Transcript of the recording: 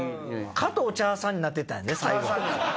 加藤茶さんになってたんやで最後。